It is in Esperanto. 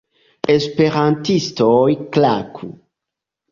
Esperantistoj klaku!